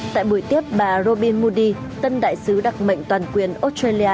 tại buổi tiếp bà robin moudi tân đại sứ đặc mệnh toàn quyền australia